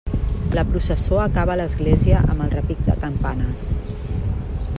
La processó acaba a l'església amb el repic de campanes.